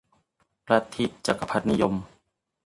ลัทธิจักรพรรดินิยม